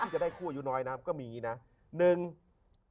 จะได้คู่อายุน้อยนะก็มีอย่างงี้นะหนึ่ง